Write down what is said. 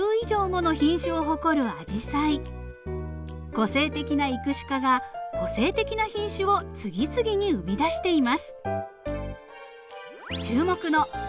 個性的な育種家が個性的な品種を次々に生み出しています。